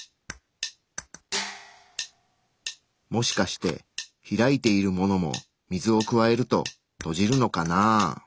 もしかして開いているものも水を加えると閉じるのかな。